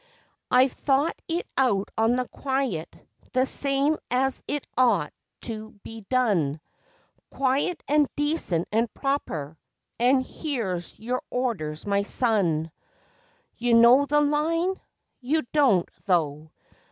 I've thought it out on the quiet, the same as it ought to be done Quiet, and decent, and proper an' here's your orders, my son. You know the Line? You don't, though.